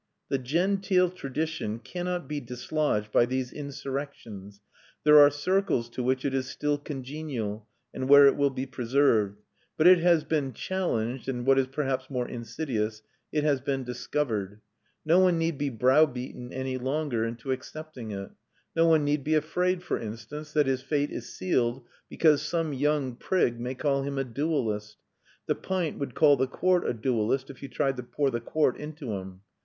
The genteel tradition cannot be dislodged by these insurrections; there are circles to which it is still congenial, and where it will be preserved. But it has been challenged and (what is perhaps more insidious) it has been discovered. No one need be browbeaten any longer into accepting it. No one need be afraid, for instance, that his fate is sealed because some young prig may call him a dualist; the pint would call the quart a dualist, if you tried to pour the quart into him.